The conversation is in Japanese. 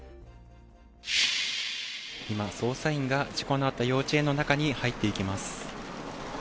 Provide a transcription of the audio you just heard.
今、捜査員が事故のあった幼稚園の中に入っていきます。